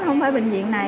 không phải bệnh viện này